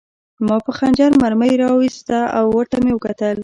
ما په خنجر مرمۍ را وویسته او ورته مې وکتل